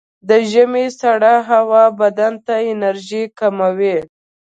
د ژمي سړه هوا بدن ته انرژي کموي.